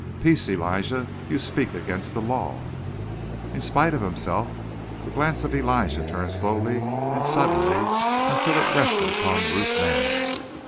"Peace, Elijah! You speak against the law." In spite of himself, the glance of Elijah turned slowly and sullenly until it rested upon Ruth Manning.